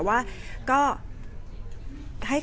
แต่ว่าสามีด้วยคือเราอยู่บ้านเดิมแต่ว่าสามีด้วยคือเราอยู่บ้านเดิม